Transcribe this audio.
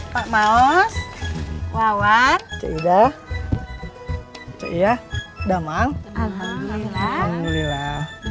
pak maos wawan cik ida cik iyah damang alhamdulillah